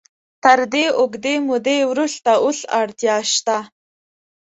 تر دې اوږدې مودې وروسته اوس اړتیا شته.